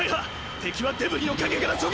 敵はデブリの陰から狙撃。